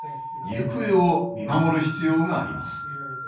行方を見守る必要があります。